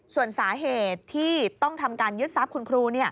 ส่วนสาเหตุที่ต้องทำการยึดทรัพย์คุณครู